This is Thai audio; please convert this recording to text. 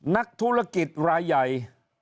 นักธุรกิจรายใหญ่